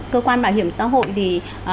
cơ quan bảo hiểm xã hội